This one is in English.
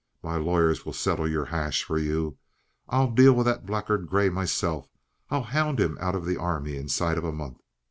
My lawyers will settle your hash for you. I'll deal with that blackguard Grey myself. I'll hound him out of the Army inside of a month.